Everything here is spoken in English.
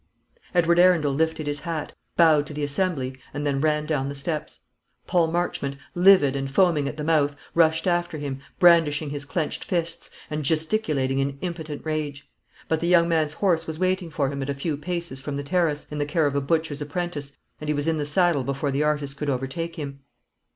Edward Arundel lifted his hat, bowed to the assembly, and then ran down the steps. Paul Marchmont, livid, and foaming at the mouth, rushed after him, brandishing his clenched fists, and gesticulating in impotent rage; but the young man's horse was waiting for him at a few paces from the terrace, in the care of a butcher's apprentice, and he was in the saddle before the artist could overtake him.